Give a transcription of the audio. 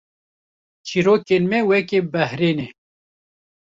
Çîrokên me weke behrê ne